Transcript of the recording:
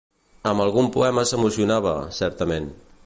Amb algun poema s’emocionava, certament.